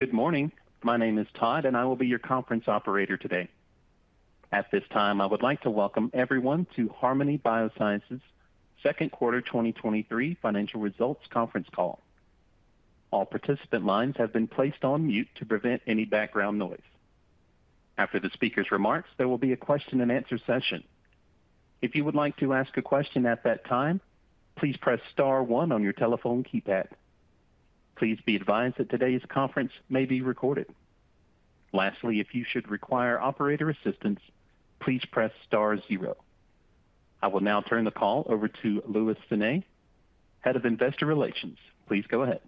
Good morning. My name is Todd, and I will be your conference operator today. At this time, I would like to welcome everyone to Harmony Biosciences Second Quarter 2023 Financial Results Conference Call. All participant lines have been placed on mute to prevent any background noise. After the speaker's remarks, there will be a question-and-answer session. If you would like to ask a question at that time, please press star 1 on your telephone keypad. Please be advised that today's conference may be recorded. Lastly, if you should require operator assistance, please press star 0. I will now turn the call over to Luis Sanay, Head of Investor Relations. Please go ahead.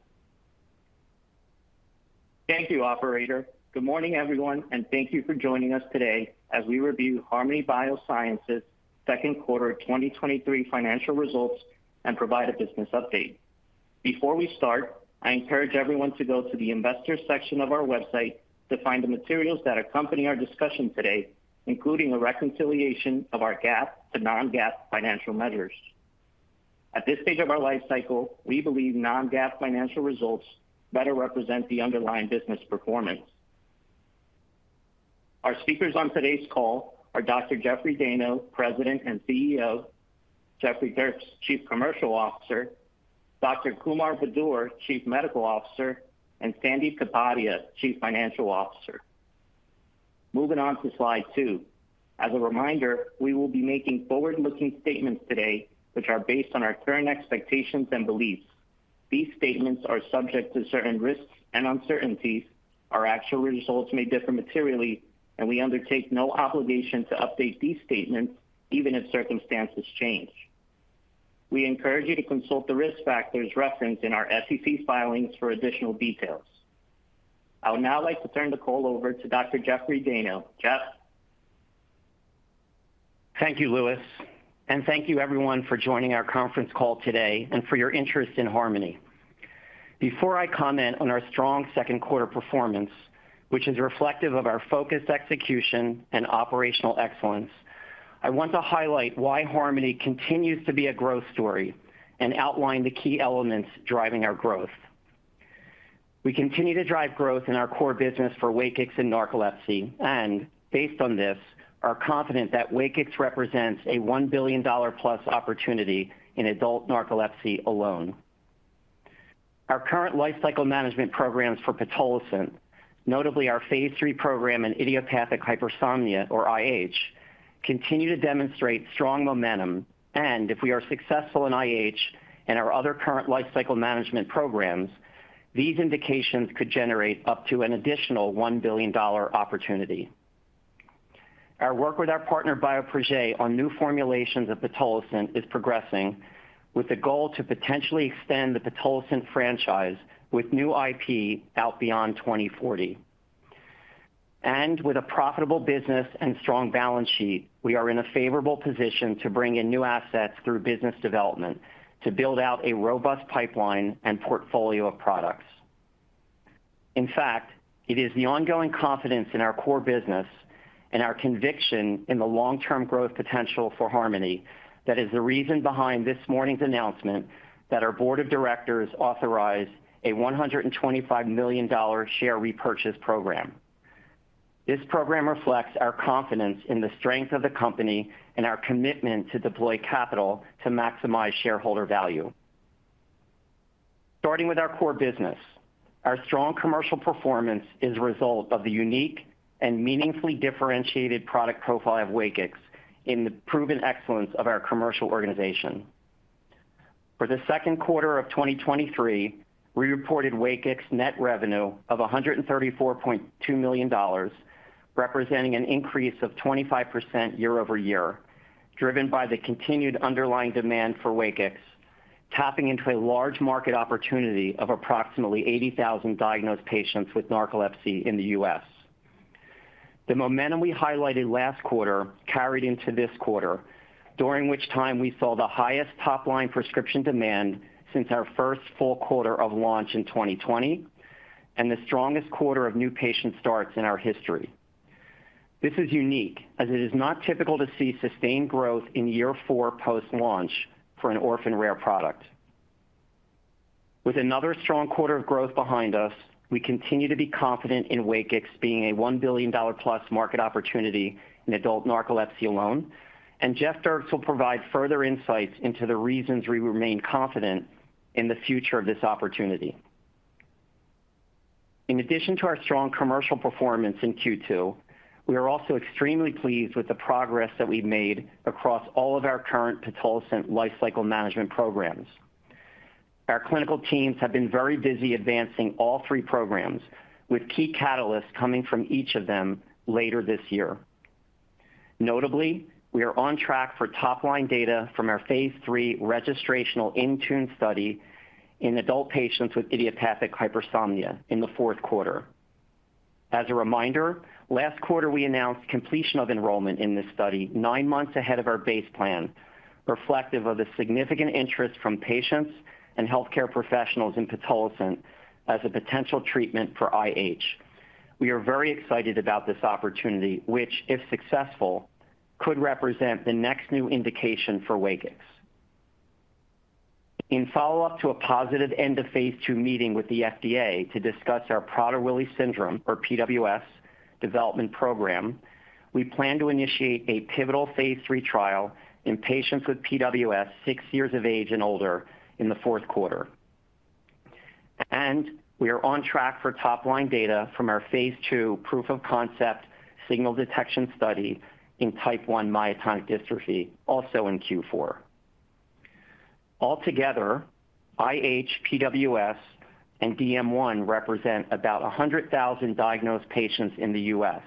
Thank you, operator. Good morning, everyone, and thank you for joining us today as we review Harmony Biosciences second quarter 2023 financial results and provide a business update. Before we start, I encourage everyone to go to the Investors section of our website to find the materials that accompany our discussion today, including a reconciliation of our GAAP to non-GAAP financial measures. At this stage of our life cycle, we believe non-GAAP financial results better represent the underlying business performance. Our speakers on today's call are Dr. Jeffrey Dayno, President and CEO, Jeffrey Dierks, Chief Commercial Officer, Dr. Kumar Budur, Chief Medical Officer, and Sandip Kapadia, Chief Financial Officer. Moving on to slide 2. As a reminder, we will be making forward-looking statements today, which are based on our current expectations and beliefs. These statements are subject to certain risks and uncertainties. Our actual results may differ materially, and we undertake no obligation to update these statements even if circumstances change. We encourage you to consult the risk factors referenced in our SEC filings for additional details. I would now like to turn the call over to Dr. Jeffrey Dayno. Jeff? Thank you, Luis, and thank you everyone for joining our conference call today and for your interest in Harmony. Before I comment on our strong second quarter performance, which is reflective of our focused execution and operational excellence, I want to highlight why Harmony continues to be a growth story and outline the key elements driving our growth. We continue to drive growth in our core business for WAKIX and narcolepsy, and based on this, are confident that WAKIX represents a $1 billion-plus opportunity in adult narcolepsy alone. Our current lifecycle management programs for pitolisant, notably our phase III program in idiopathic hypersomnia, or IH, continue to demonstrate strong momentum, and if we are successful in IH and our other current lifecycle management programs, these indications could generate up to an additional $1 billion opportunity. Our work with our partner, Bioprojet, on new formulations of pitolisant is progressing with the goal to potentially extend the pitolisant franchise with new IP out beyond 2040. With a profitable business and strong balance sheet, we are in a favorable position to bring in new assets through business development to build out a robust pipeline and portfolio of products. In fact, it is the ongoing confidence in our core business and our conviction in the long-term growth potential for Harmony that is the reason behind this morning's announcement that our board of directors authorized a $125 million share repurchase program. This program reflects our confidence in the strength of the company and our commitment to deploy capital to maximize shareholder value. Starting with our core business, our strong commercial performance is a result of the unique and meaningfully differentiated product profile of WAKIX in the proven excellence of our commercial organization. For the second quarter of 2023, we reported WAKIX net revenue of $134.2 million, representing an increase of 25% year-over-year, driven by the continued underlying demand for WAKIX, tapping into a large market opportunity of approximately 80,000 diagnosed patients with narcolepsy in the US. The momentum we highlighted last quarter carried into this quarter, during which time we saw the highest top-line prescription demand since our first full quarter of launch in 2020, and the strongest quarter of new patient starts in our history. This is unique, as it is not typical to see sustained growth in year four post-launch for an orphan rare product. With another strong quarter of growth behind us, we continue to be confident in WAKIX being a $1 billion-plus market opportunity in adult narcolepsy alone. Jeffrey Dierks will provide further insights into the reasons we remain confident in the future of this opportunity. In addition to our strong commercial performance in Q2, we are also extremely pleased with the progress that we've made across all of our current pitolisant lifecycle management programs. Our clinical teams have been very busy advancing all three programs, with key catalysts coming from each of them later this year. Notably, we are on track for top-line data from our phase three registrational INTUNE study in adult patients with idiopathic hypersomnia in the fourth quarter. As a reminder, last quarter, we announced completion of enrollment in this study nine months ahead of our base plan, reflective of the significant interest from patients and healthcare professionals in pitolisant as a potential treatment for IH. We are very excited about this opportunity, which, if successful, could represent the next new indication for WAKIX. In follow-up to a positive end of phase II meeting with the FDA to discuss our Prader-Willi syndrome, or PWS, development program, we plan to initiate a pivotal phase III trial in patients with PWS six years of age and older in the fourth quarter. We are on track for top line data from our phase II proof of concept signal detection study in type 1 myotonic dystrophy, also in Q4. Altogether, IH, PWS, and DM1 represent about 100,000 diagnosed patients in the US.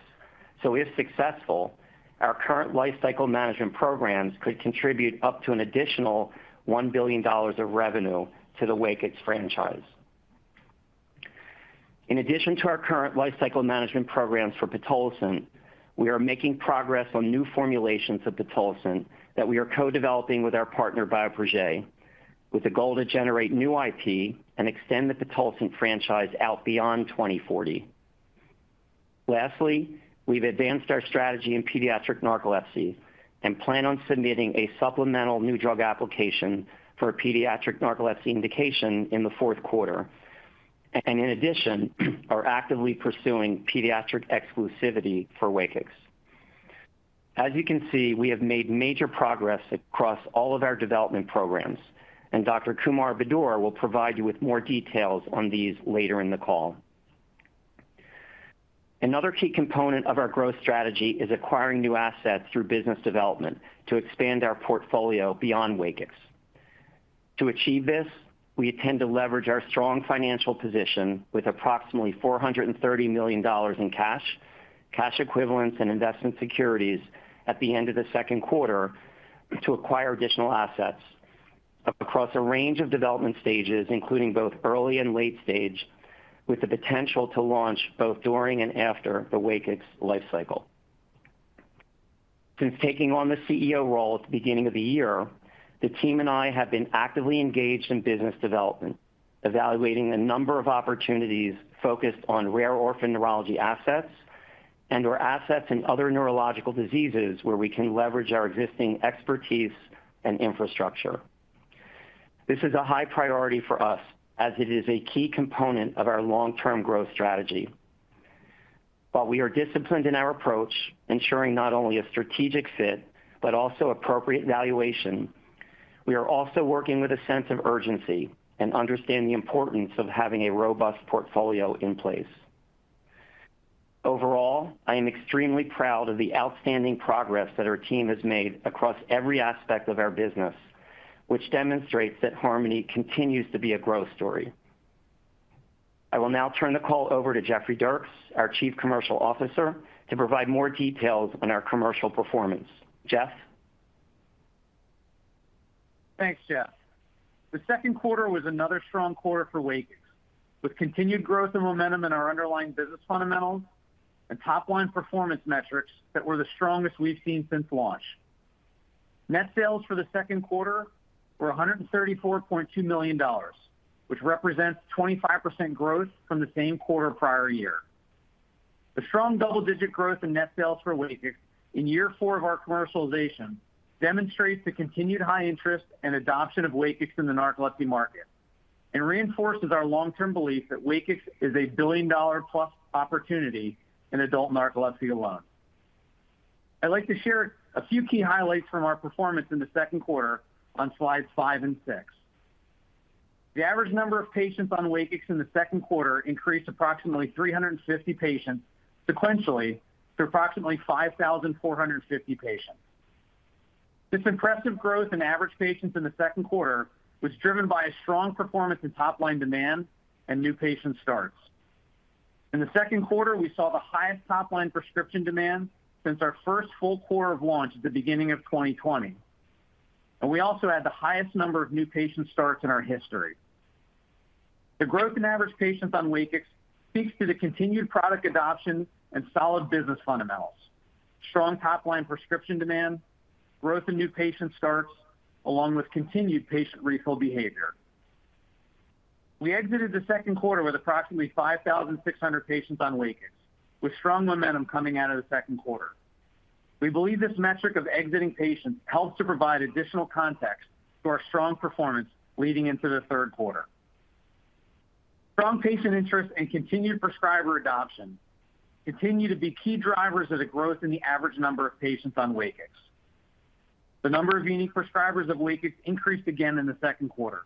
If successful, our current lifecycle management programs could contribute up to an additional $1 billion of revenue to the WAKIX franchise. In addition to our current lifecycle management programs for pitolisant, we are making progress on new formulations of pitolisant that we are co-developing with our partner, Bioprojet, with a goal to generate new IP and extend the pitolisant franchise out beyond 2040. Lastly, we've advanced our strategy in pediatric narcolepsy and plan on submitting a Supplemental New Drug Application for pediatric narcolepsy indication in the fourth quarter, and in addition, are actively pursuing pediatric exclusivity for WAKIX. As you can see, we have made major progress across all of our development programs, and Dr. Kumar Budur will provide you with more details on these later in the call. Another key component of our growth strategy is acquiring new assets through business development to expand our portfolio beyond WAKIX. To achieve this, we intend to leverage our strong financial position with approximately $430 million in cash, cash equivalents, and investment securities at the end of the second quarter to acquire additional assets across a range of development stages, including both early and late stage, with the potential to launch both during and after the WAKIX life cycle. Since taking on the CEO role at the beginning of the year, the team and I have been actively engaged in business development, evaluating a number of opportunities focused on rare orphan neurology assets and/or assets in other neurological diseases where we can leverage our existing expertise and infrastructure. This is a high priority for us as it is a key component of our long-term growth strategy. While we are disciplined in our approach, ensuring not only a strategic fit, but also appropriate valuation, we are also working with a sense of urgency and understand the importance of having a robust portfolio in place. Overall, I am extremely proud of the outstanding progress that our team has made across every aspect of our business, which demonstrates that Harmony continues to be a growth story. I will now turn the call over to Jeffrey Dierks, our Chief Commercial Officer, to provide more details on our commercial performance. Jeff? Thanks, Jeff. The second quarter was another strong quarter for WAKIX, with continued growth and momentum in our underlying business fundamentals and top-line performance metrics that were the strongest we've seen since launch. Net sales for the second quarter were $134.2 million, which represents 25% growth from the same quarter prior year. The strong double-digit growth in net sales for WAKIX in year 4 of our commercialization demonstrates the continued high interest and adoption of WAKIX in the narcolepsy market and reinforces our long-term belief that WAKIX is a billion-dollar-plus opportunity in adult narcolepsy alone. I'd like to share a few key highlights from our performance in the second quarter on slides 5 and 6. The average number of patients on WAKIX in the second quarter increased approximately 350 patients sequentially to approximately 5,450 patients. This impressive growth in average patients in the second quarter was driven by a strong performance in top-line demand and new patient starts. In the second quarter, we saw the highest top-line prescription demand since our first full quarter of launch at the beginning of 2020, and we also had the highest number of new patient starts in our history. The growth in average patients on WAKIX speaks to the continued product adoption and solid business fundamentals, strong top-line prescription demand, growth in new patient starts, along with continued patient refill behavior. We exited the second quarter with approximately 5,600 patients on WAKIX, with strong momentum coming out of the second quarter. We believe this metric of exiting patients helps to provide additional context to our strong performance leading into the third quarter. Strong patient interest and continued prescriber adoption continue to be key drivers of the growth in the average number of patients on WAKIX. The number of unique prescribers of WAKIX increased again in the second quarter.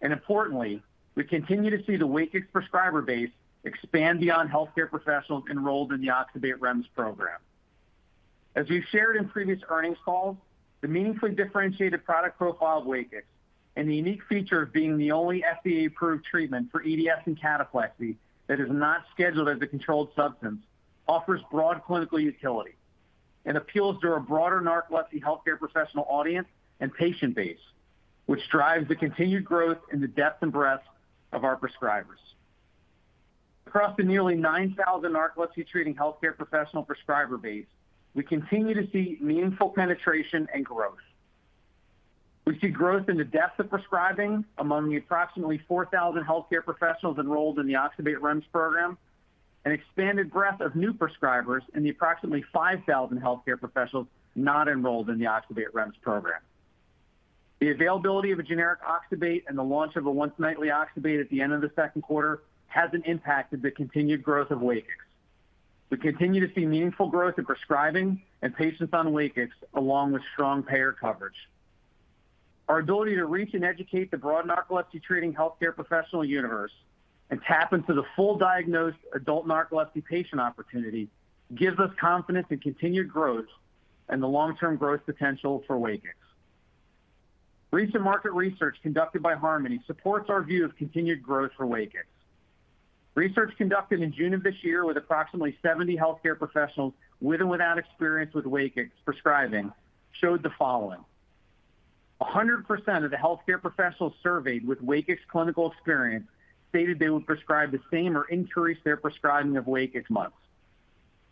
Importantly, we continue to see the WAKIX prescriber base expand beyond healthcare professionals enrolled in the Oxybate REMS program. As we've shared in previous earnings calls, the meaningfully differentiated product profile of WAKIX and the unique feature of being the only FDA-approved treatment for EDS and cataplexy that is not scheduled as a controlled substance, offers broad clinical utility and appeals to a broader narcolepsy healthcare professional audience and patient base, which drives the continued growth in the depth and breadth of our prescribers. Across the nearly 9,000 narcolepsy-treating healthcare professional prescriber base, we continue to see meaningful penetration and growth. We see growth in the depth of prescribing among the approximately 4,000 healthcare professionals enrolled in the Oxybate REMS program. An expanded breadth of new prescribers in the approximately 5,000 healthcare professionals not enrolled in the Oxybate REMS program. The availability of a generic oxybate and the launch of a once-nightly oxybate at the end of the second quarter hasn't impacted the continued growth of WAKIX. We continue to see meaningful growth in prescribing and patients on WAKIX, along with strong payer coverage. Our ability to reach and educate the broad narcolepsy treating healthcare professional universe and tap into the full diagnosed adult narcolepsy patient opportunity, gives us confidence in continued growth and the long-term growth potential for WAKIX. Recent market research conducted by Harmony supports our view of continued growth for WAKIX. Research conducted in June of this year, with approximately 70 healthcare professionals with and without experience with WAKIX prescribing, showed the following: 100% of the healthcare professionals surveyed with WAKIX clinical experience stated they would prescribe the same or increase their prescribing of WAKIX months.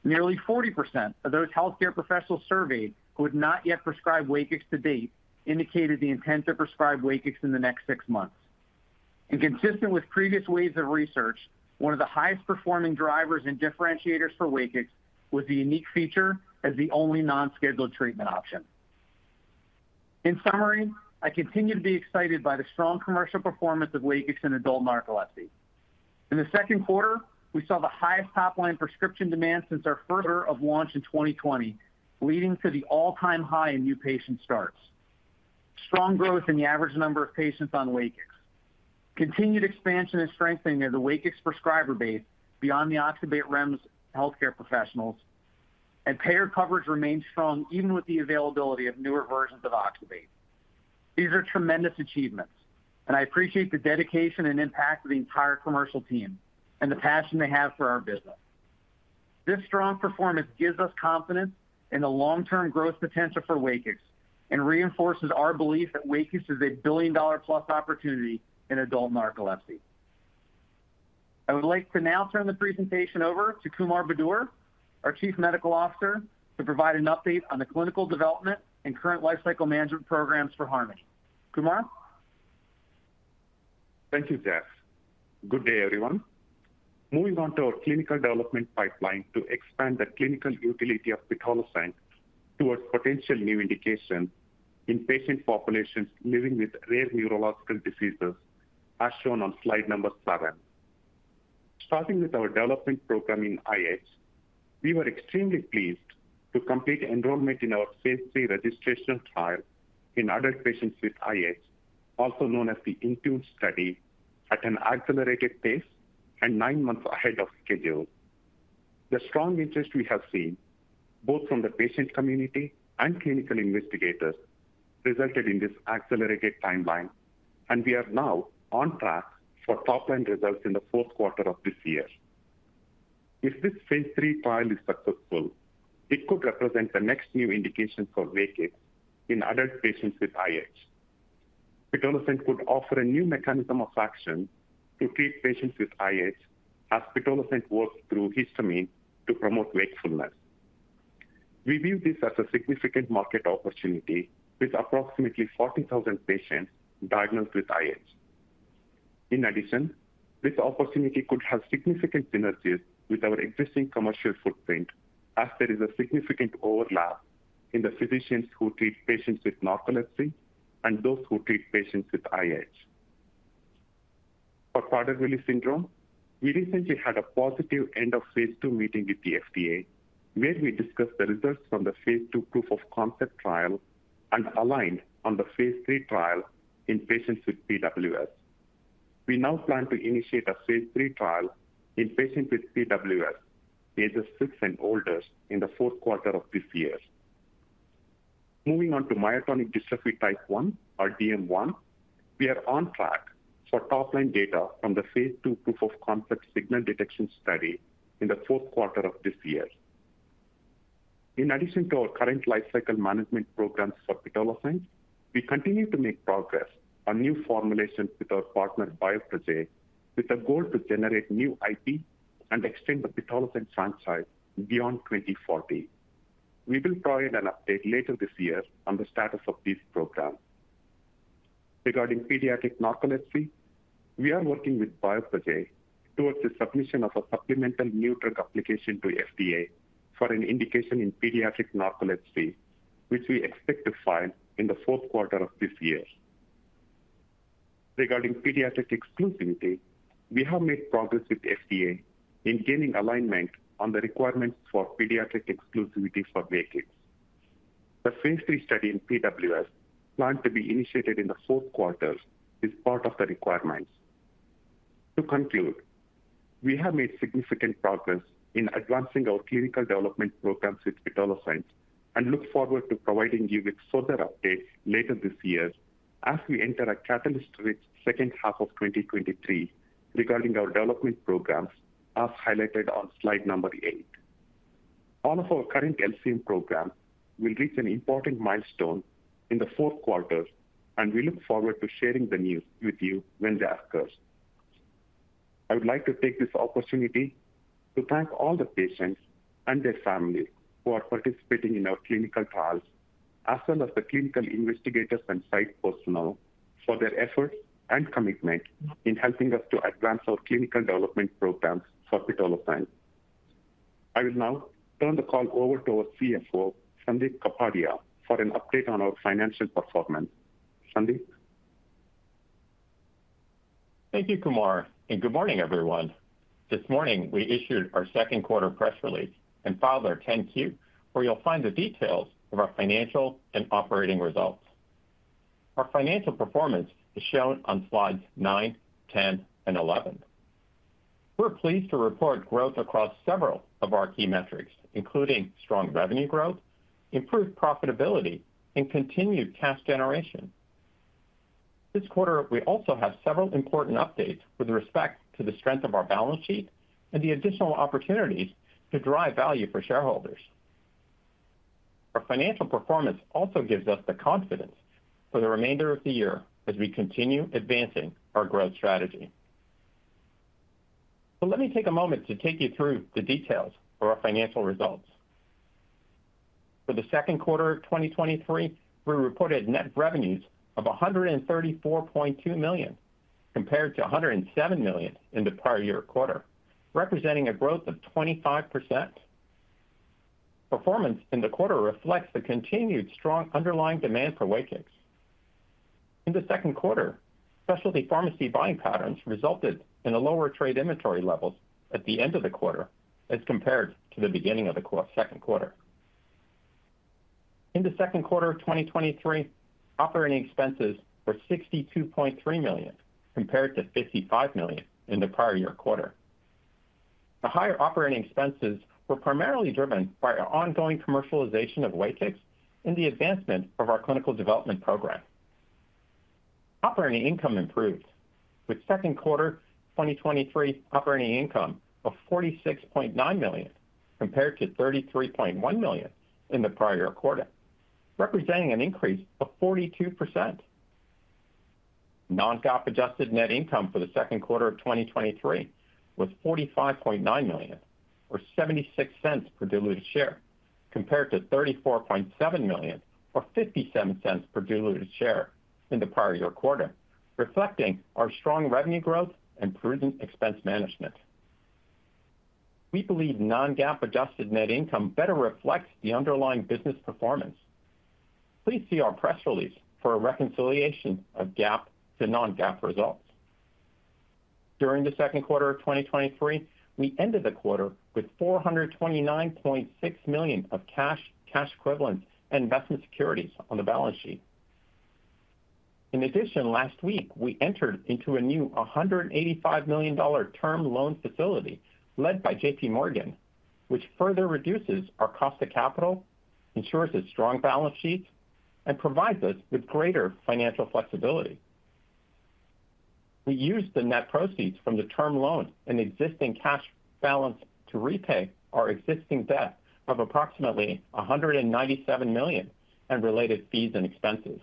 Nearly 40% of those healthcare professionals surveyed who had not yet prescribed WAKIX to date, indicated the intent to prescribe WAKIX in the next six months. Consistent with previous waves of research, one of the highest performing drivers and differentiators for WAKIX was the unique feature as the only non-scheduled treatment option. In summary, I continue to be excited by the strong commercial performance of WAKIX in adult narcolepsy. In the second quarter, we saw the highest top-line prescription demand since our further of launch in 2020, leading to the all-time high in new patient starts. Strong growth in the average number of patients on WAKIX. Continued expansion and strengthening of the WAKIX prescriber base beyond the Oxybate REMS healthcare professionals. Payer coverage remains strong even with the availability of newer versions of oxybate. These are tremendous achievements. I appreciate the dedication and impact of the entire commercial team and the passion they have for our business. This strong performance gives us confidence in the long-term growth potential for WAKIX, and reinforces our belief that WAKIX is a billion-dollar-plus opportunity in adult narcolepsy. I would like to now turn the presentation over to Kumar Budur, our Chief Medical Officer, to provide an update on the clinical development and current lifecycle management programs for Harmony. Kumar? Thank you, Jeff. Good day, everyone. Moving on to our clinical development pipeline to expand the clinical utility of pitolisant towards potential new indications in patient populations living with rare neurological diseases, as shown on slide number 7. Starting with our development program in IH, we were extremely pleased to complete enrollment in our phase III registrational trial in adult patients with IH, also known as the INTUNE study, at an accelerated pace and 9 months ahead of schedule. The strong interest we have seen, both from the patient community and clinical investigators, resulted in this accelerated timeline, and we are now on track for top-line results in the 4th quarter of this year. If this phase III trial is successful, it could represent the next new indication for WAKIX in adult patients with IH. Pitolisant could offer a new mechanism of action to treat patients with IH, as pitolisant works through histamine to promote wakefulness. We view this as a significant market opportunity, with approximately 40,000 patients diagnosed with IH. In addition, this opportunity could have significant synergies with our existing commercial footprint, as there is a significant overlap in the physicians who treat patients with narcolepsy and those who treat patients with IH. For Prader-Willi syndrome, we recently had a positive end of phase II meeting with the FDA, where we discussed the results from the phase II proof of concept trial and aligned on the phase III trial in patients with PWS. We now plan to initiate a phase III trial in patients with PWS, ages 6 and older, in the fourth quarter of this year. Moving on to myotonic dystrophy type 1, or DM1, we are on track for top-line data from the phase II proof of concept signal detection study in the fourth quarter of this year. In addition to our current lifecycle management programs for pitolisant, we continue to make progress on new formulations with our partner, Bioprojet, with a goal to generate new IP and extend the pitolisant franchise beyond 2040. We will provide an update later this year on the status of this program. Regarding pediatric narcolepsy, we are working with Bioprojet towards the submission of a Supplemental New Drug Application to FDA for an indication in pediatric narcolepsy, which we expect to file in the fourth quarter of this year. Regarding pediatric exclusivity, we have made progress with FDA in gaining alignment on the requirements for pediatric exclusivity for WAKIX. The phase III study in PWS, planned to be initiated in the fourth quarter, is part of the requirements. To conclude, we have made significant progress in advancing our clinical development programs with pitolisant and look forward to providing you with further updates later this year as we enter a catalyst-rich second half of 2023 regarding our development programs, as highlighted on slide number 8. All of our current LCM programs will reach an important milestone in the fourth quarter, and we look forward to sharing the news with you when that occurs. I would like to take this opportunity to thank all the patients and their families who are participating in our clinical trials as well as the clinical investigators and site personnel for their efforts and commitment in helping us to advance our clinical development programs for pitolisant. I will now turn the call over to our CFO, Sandip Kapadia, for an update on our financial performance. Sandip? Thank you, Kumar, and good morning, everyone. This morning, we issued our second quarter press release and filed our Form 10-Q, where you'll find the details of our financial and operating results. Our financial performance is shown on slides 9, 10, and 11. We're pleased to report growth across several of our key metrics, including strong revenue growth, improved profitability, and continued cash generation. This quarter, we also have several important updates with respect to the strength of our balance sheet and the additional opportunities to drive value for shareholders. Our financial performance also gives us the confidence for the remainder of the year as we continue advancing our growth strategy. Let me take a moment to take you through the details for our financial results. For the second quarter of 2023, we reported net revenues of $134.2 million, compared to $107 million in the prior year quarter, representing a growth of 25%. Performance in the quarter reflects the continued strong underlying demand for WAKIX. In the second quarter, specialty pharmacy buying patterns resulted in a lower trade inventory levels at the end of the quarter as compared to the beginning of the second quarter. In the second quarter of 2023, operating expenses were $62.3 million, compared to $55 million in the prior year quarter. The higher operating expenses were primarily driven by our ongoing commercialization of WAKIX and the advancement of our clinical development program. Operating income improved, with second quarter 2023 operating income of $46.9 million, compared to $33.1 million in the prior quarter, representing an increase of 42%. non-GAAP adjusted net income for the second quarter of 2023 was $45.9 million, or $0.76 per diluted share, compared to $34.7 million, or $0.57 per diluted share in the prior year quarter, reflecting our strong revenue growth and prudent expense management. We believe non-GAAP adjusted net income better reflects the underlying business performance. Please see our press release for a reconciliation of GAAP to non-GAAP results. During the second quarter of 2023, we ended the quarter with $429.6 million of cash, cash equivalents, and investment securities on the balance sheet. In addition, last week, we entered into a new $185 million term loan facility led by JP Morgan, which further reduces our cost of capital, ensures a strong balance sheet, and provides us with greater financial flexibility. We used the net proceeds from the term loan and existing cash balance to repay our existing debt of approximately $197 million in related fees and expenses.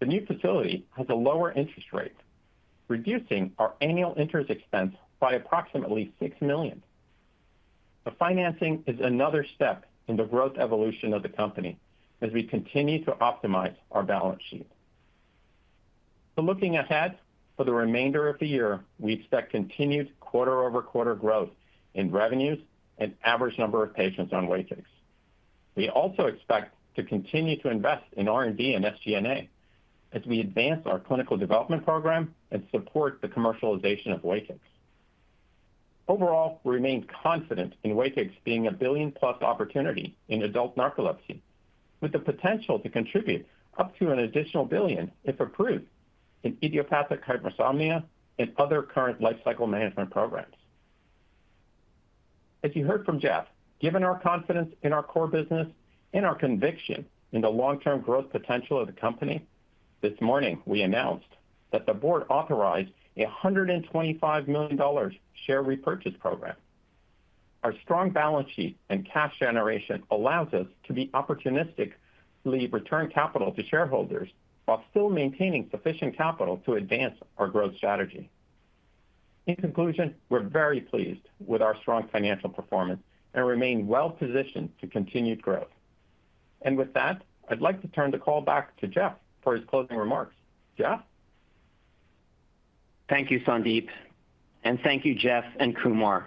The new facility has a lower interest rate, reducing our annual interest expense by approximately $6 million. The financing is another step in the growth evolution of the company as we continue to optimize our balance sheet. Looking ahead, for the remainder of the year, we expect continued quarter-over-quarter growth in revenues and average number of patients on WAKIX. We also expect to continue to invest in R&D and SG&A as we advance our clinical development program and support the commercialization of WAKIX. Overall, we remain confident in WAKIX being a billion-plus opportunity in adult narcolepsy, with the potential to contribute up to an additional $1 billion, if approved, in idiopathic hypersomnia and other current lifecycle management programs. As you heard from Jeff, given our confidence in our core business and our conviction in the long-term growth potential of the company, this morning we announced that the board authorized a $125 million share repurchase program. Our strong balance sheet and cash generation allows us to be opportunistically return capital to shareholders while still maintaining sufficient capital to advance our growth strategy. In conclusion, we're very pleased with our strong financial performance and remain well positioned to continued growth. With that, I'd like to turn the call back to Jeff for his closing remarks. Jeff? Thank you, Sandip, and thank you, Jeff and Kumar.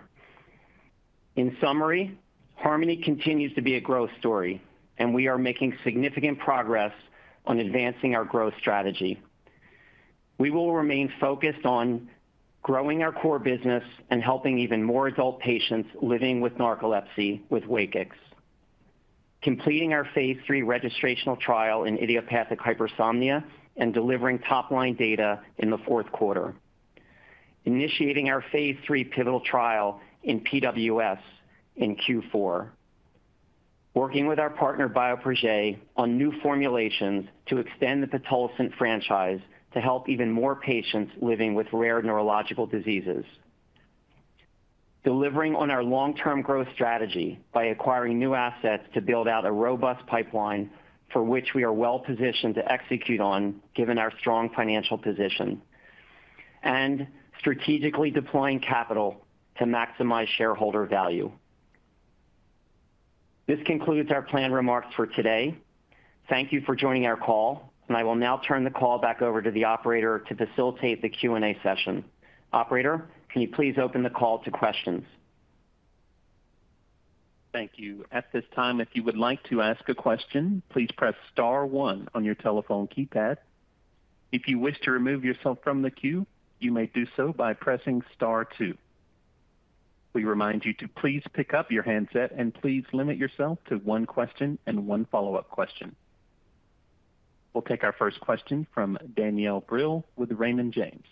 In summary, Harmony continues to be a growth story, and we are making significant progress on advancing our growth strategy. We will remain focused on growing our core business and helping even more adult patients living with narcolepsy with WAKIX, completing our phase III registrational trial in idiopathic hypersomnia and delivering top-line data in the fourth quarter, initiating our phase III pivotal trial in PWS in Q4, working with our partner, Bioprojet, on new formulations to extend the pitolisant franchise to help even more patients living with rare neurological diseases, delivering on our long-term growth strategy by acquiring new assets to build out a robust pipeline for which we are well positioned to execute on, given our strong financial position, and strategically deploying capital to maximize shareholder value. This concludes our planned remarks for today. Thank you for joining our call, and I will now turn the call back over to the operator to facilitate the Q&A session. Operator, can you please open the call to questions? Thank you. At this time, if you would like to ask a question, please press star one on your telephone keypad. If you wish to remove yourself from the queue, you may do so by pressing star two. We remind you to please pick up your handset and please limit yourself to one question and one follow-up question. We'll take our first question from Danielle Brill with Raymond James.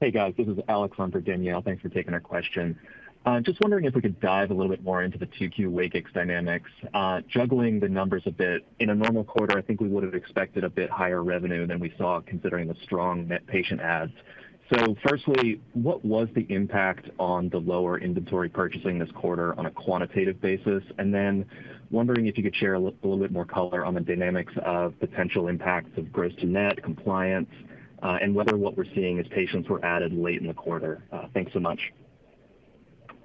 Hey, guys. This is Alex on for Danielle. Thanks for taking our question. Just wondering if we could dive a little bit more into the 2Q WAKIX dynamics. Juggling the numbers a bit, in a normal quarter, I think we would have expected a bit higher revenue than we saw, considering the strong net patient adds. Firstly, what was the impact on the lower inventory purchasing this quarter on a quantitative basis? Then wondering if you could share a l- little bit more color on the dynamics of potential impacts of gross to net, compliance, and whether what we're seeing is patients were added late in the quarter. Thanks so much.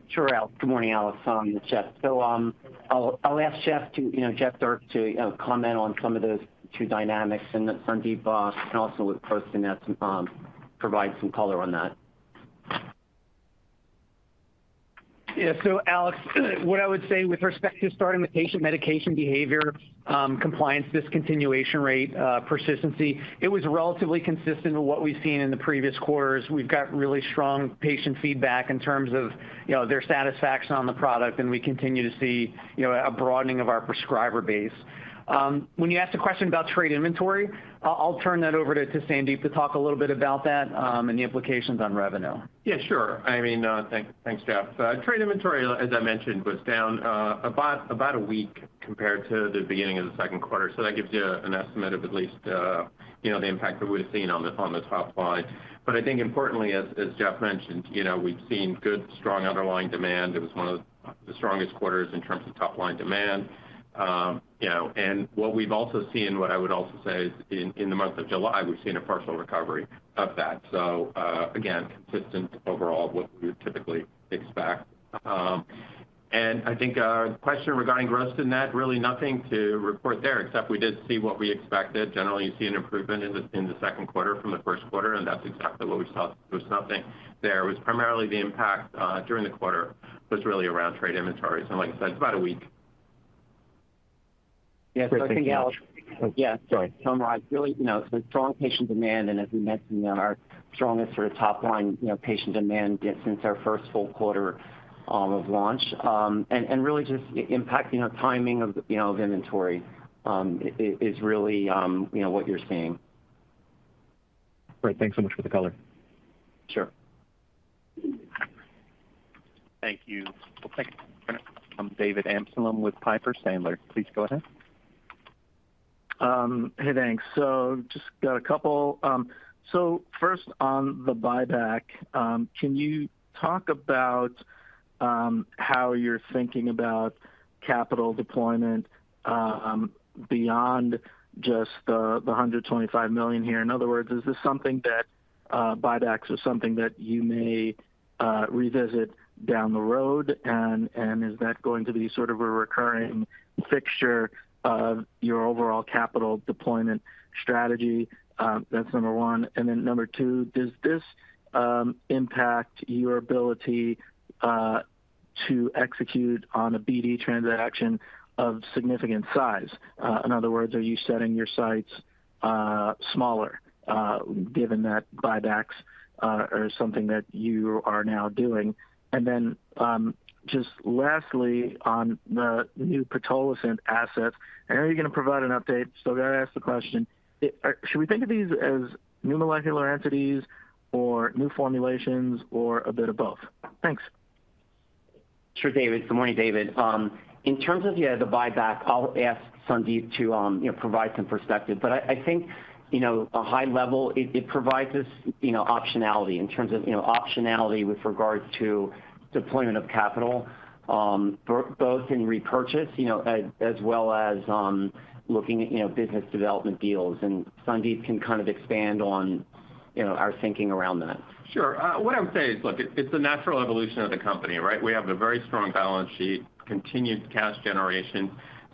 Sure, Al. Good morning, Alex. It's Jeff. I'll ask Jeff to, you know, Jeff Dierks to, you know, comment on some of those two dynamics. Sandip Kapadia can also, of course, then, provide some color on that. Alex, what I would say with respect to starting with patient medication behavior, compliance, discontinuation rate, persistency, it was relatively consistent with what we've seen in the previous quarters. We've got really strong patient feedback in terms of, you know, their satisfaction on the product, and we continue to see, you know, a broadening of our prescriber base. When you asked a question about trade inventory, I'll, I'll turn that over to Sandip to talk a little bit about that, and the implications on revenue. Yeah, sure. I mean, thanks. Thanks, Jeff. Trade inventory, as I mentioned, was down about, about a week compared to the beginning of the second quarter. That gives you an estimate of at least, you know, the impact that we'd have seen on the, on the top line. I think importantly, as, as Jeff mentioned, you know, we've seen good, strong underlying demand. It was one of the strongest quarters in terms of top-line demand. You know, what we've also seen, what I would also say is in, in the month of July, we've seen a partial recovery of that. Again, consistent overall with what we would typically expect. I think, the question regarding gross to net, really nothing to report there, except we did see what we expected. Generally, you see an improvement in the, in the second quarter from the first quarter, and that's exactly what we saw. There was nothing there. It was primarily the impact during the quarter, was really around trade inventories, and like I said, it's about a week. Yes, I think, Alex- Great. Thanks so much. Yeah. Sorry. I really, you know, the strong patient demand, and as we mentioned, our strongest sort of top line, you know, patient demand since our first full quarter of launch. And really just impacting our timing of, you know, of inventory is really, you know, what you're seeing. Great. Thanks so much for the color. Sure. Thank you. Okay. I'm David Amsellem with Piper Sandler. Please go ahead. Hey, thanks. Just got a couple. First on the buyback, can you talk about how you're thinking about capital deployment beyond just the $125 million here? In other words, is this something that buybacks is something that you may revisit down the road, and is that going to be sort of a recurring fixture of your overall capital deployment strategy? That's number one. Number two, does this impact your ability to execute on a BD transaction of significant size? In other words, are you setting your sights smaller, given that buybacks are something that you are now doing? Just lastly, on the new Pitolisant assets, I know you're going to provide an update, so I got to ask the question: Should we think of these as new molecular entities or new formulations or a bit of both? Thanks. Sure, David. Good morning, David. In terms of, yeah, the buyback, I'll ask Sandip to, you know, provide some perspective. I, I think, you know, a high level, it, it provides us, you know, optionality in terms of, you know, optionality with regards to deployment of capital, both in repurchase, you know, as well as, looking at, you know, business development deals. Sandip can kind of expand on, you know, our thinking around that. Sure. What I would say is, look, it's a natural evolution of the company, right? We have a very strong balance sheet, continued cash generation.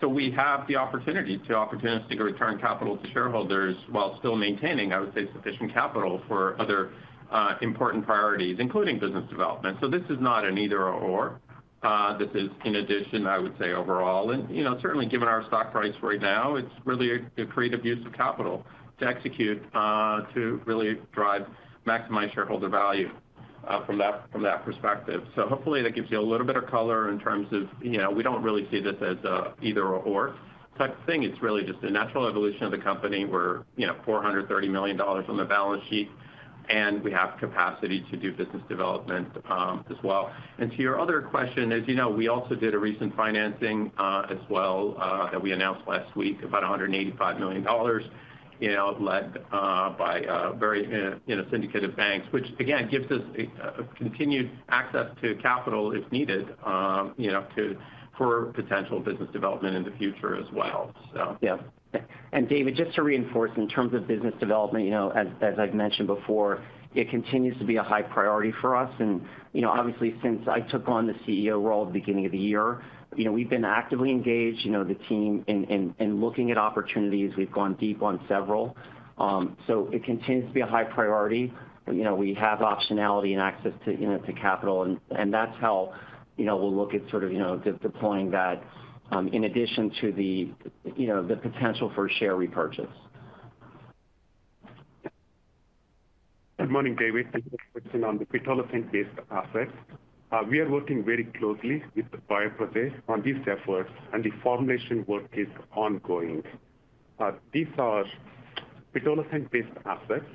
We have the opportunity to opportunistically return capital to shareholders while still maintaining, I would say, sufficient capital for other important priorities, including business development. This is not an either/or. This is in addition, I would say overall. You know, certainly given our stock price right now, it's really a creative use of capital to execute, to really drive, maximize shareholder value, from that, from that perspective. Hopefully that gives you a little bit of color in terms of, you know, we don't really see this as a either/or type thing. It's really just a natural evolution of the company. We're, you know, $430 million on the balance sheet, and we have capacity to do business development, as well. To your other question, as you know, we also did a recent financing, as well, that we announced last week, about $185 million, you know, led, by, very, you know, syndicated banks, which again, gives us a, a continued access to capital if needed, you know, for potential business development in the future as well, so. Yeah, David, just to reinforce in terms of business development, you know, as, as I've mentioned before, it continues to be a high priority for us. You know, obviously, since I took on the CEO role at the beginning of the year, you know, we've been actively engaged, you know, the team in, in, in looking at opportunities. We've gone deep on several. So it continues to be a high priority. You know, we have optionality and access to, you know, to capital, and, and that's how, you know, we'll look at sort of, you know, deploying that, in addition to the, you know, the potential for share repurchase. Good morning, David. On the pitolisant-based assets. We are working very closely with Bioprojet on these efforts, and the formulation work is ongoing. These are pitolisant-based assets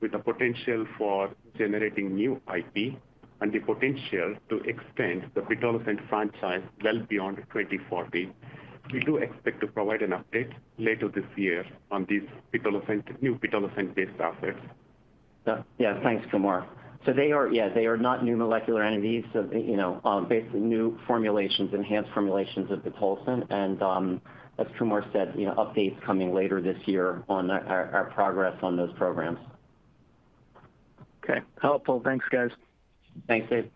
with the potential for generating new IP and the potential to extend the pitolisant franchise well beyond 2040. We do expect to provide an update later this year on these new pitolisant-based assets. Yeah, thanks, Kumar. They are, yeah, they are not new molecular entities. You know, basically new formulations, enhanced formulations of pitolisant. As Kumar said, you know, updates coming later this year on our, our, our progress on those programs. Okay. Helpful. Thanks, guys. Thanks, Dave.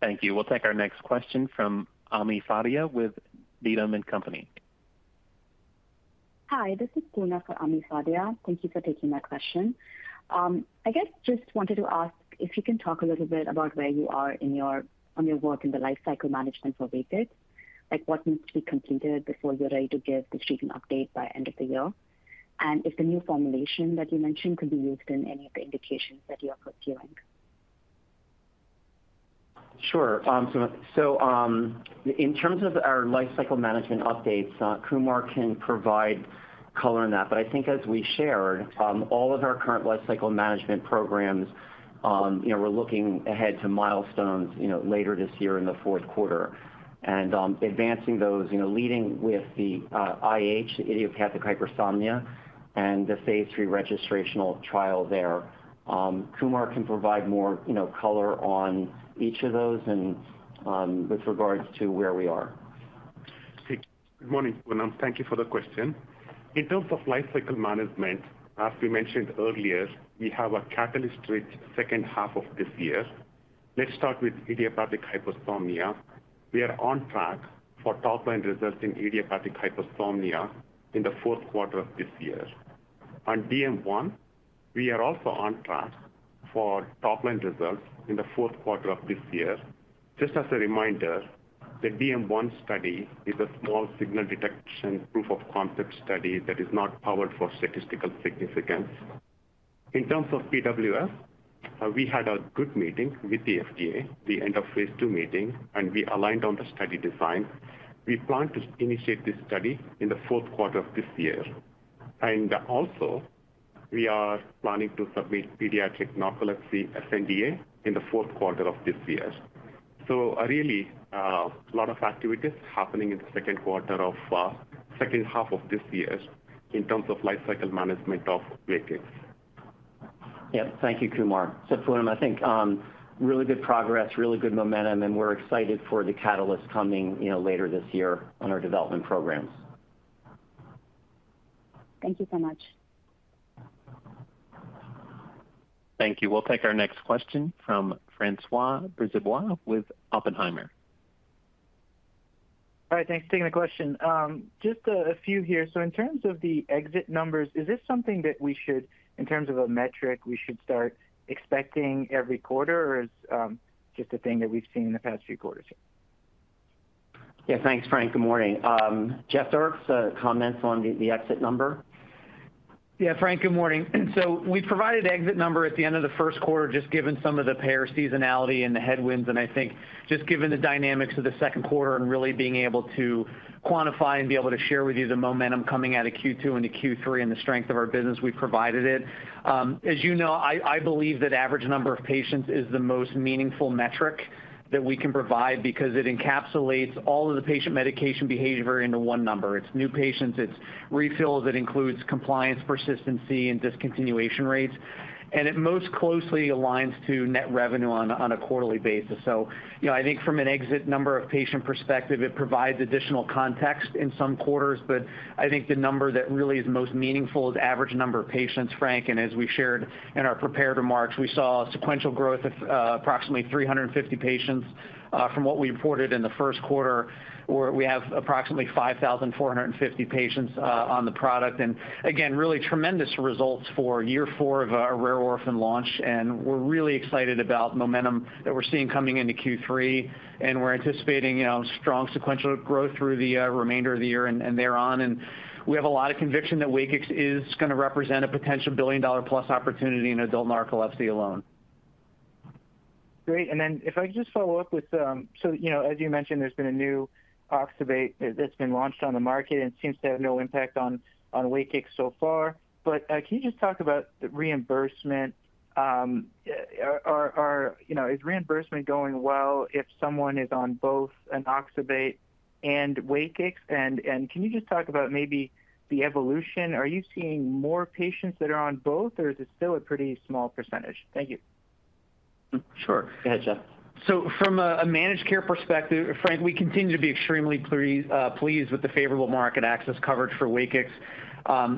Thank you. We'll take our next question from Ami Fadia with B. Riley and Company. Hi, this is Poona for Ami Fadia. Thank you for taking my question. I guess, just wanted to ask if you can talk a little bit about where you are on your work in the lifecycle management for WAKIX. Like, what needs to be completed before you're ready to give the treatment update by end of the year, and if the new formulation that you mentioned can be used in any of the indications that you are pursuing? Sure. So, in terms of our lifecycle management updates, Kumar can provide color on that. I think as we shared, all of our current lifecycle management programs, you know, we're looking ahead to milestones, you know, later this year in the fourth quarter. Advancing those, you know, leading with the IH, idiopathic hypersomnia, and the phase III registrational trial there. Kumar can provide more, you know, color on each of those and with regards to where we are. Good morning, Poona, and thank you for the question. In terms of lifecycle management, as we mentioned earlier, we have a catalyst-rich second half of this year. Let's start with idiopathic hypersomnia. We are on track for top-line results in idiopathic hypersomnia in the fourth quarter of this year. On DM1, we are also on track for top-line results in the fourth quarter of this year. Just as a reminder, the DM1 study is a small signal detection proof of concept study that is not powered for statistical significance. In terms of PWS, we had a good meeting with the FDA, the end of phase II meeting, and we aligned on the study design. We plan to initiate this study in the fourth quarter of this year, and also we are planning to submit pediatric narcolepsy sNDA in the fourth quarter of this year. Really, a lot of activities happening in the second quarter of, second half of this year in terms of lifecycle management of WAKIX. Yeah. Thank you, Kumar. Poona, I think, really good progress, really good momentum, and we're excited for the catalyst coming, you know, later this year on our development programs. Thank you so much. Thank you. We'll take our next question from François Brisebois with Oppenheimer. All right. Thanks, taking the question. Just a, a few here. In terms of the exit numbers, is this something that we should, in terms of a metric, we should start expecting every quarter, or is just a thing that we've seen in the past few quarters? Yeah. Thanks, Frank. Good morning. Jeff Dierks comments on the, the exit number? Yeah, Frank, good morning. We provided exit number at the end of the 1st quarter, just given some of the payer seasonality and the headwinds, and I think just given the dynamics of the 2nd quarter and really being able to quantify and be able to share with you the momentum coming out of Q2 into Q3 and the strength of our business, we provided it. As you know, I, I believe that average number of patients is the most meaningful metric that we can provide because it encapsulates all of the patient medication behavior into 1 number. It's new patients, it's refills, it includes compliance, persistency, and discontinuation rates, and it most closely aligns to net revenue on a, on a quarterly basis. You know, I think from an exit number of patient perspective, it provides additional context in some quarters, but I think the number that really is most meaningful is average number of patients, Frank. As we shared in our prepared remarks, we saw a sequential growth of approximately 350 patients from what we reported in the first quarter, where we have approximately 5,450 patients on the product. Again, really tremendous results for year four of our rare orphan launch, and we're really excited about momentum that we're seeing coming into Q3, and we're anticipating, you know, strong sequential growth through the remainder of the year and thereon. We have a lot of conviction that WAKIX is gonna represent a potential billion-dollar-plus opportunity in adult narcolepsy alone. Great. If I could just follow up with... You know, as you mentioned, there's been a new oxybate that's been launched on the market and seems to have no impact on, on WAKIX so far. Can you just talk about the reimbursement, you know, is reimbursement going well if someone is on both an oxybate and WAKIX? Can you just talk about maybe the evolution? Are you seeing more patients that are on both, or is this still a pretty small percentage? Thank you. Sure. Go ahead, Jeff. From a managed care perspective, Frank, we continue to be extremely pleased with the favorable market access coverage for WAKIX.